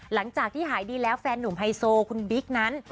หลังจากที่หายดีแล้วแฟนหนุ่มไฮโซคุณบิ๊กนั้น